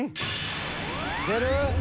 出る？